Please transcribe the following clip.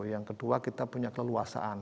yang kedua kita punya keleluasaan